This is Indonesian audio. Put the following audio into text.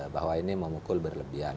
bahwa ini memukul berlebihan